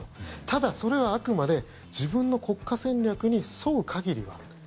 ただ、それはあくまで自分の国家戦略に沿う限りはと。